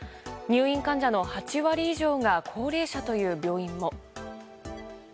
入院患者の８割以上が高齢者という病院も。